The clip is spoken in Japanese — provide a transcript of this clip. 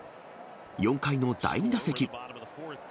４回の第２打席。